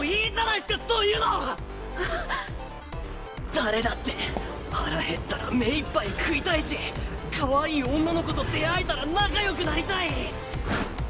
誰だって腹減ったら目いっぱい食いたいしかわいい女の子と出会えたら仲よくなりたい。